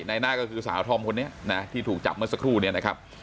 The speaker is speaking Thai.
ในหน้าก็คือสาวธอมคนนี้นะที่ถูกจับเมื่อสักครู่เนี่ยนะครับ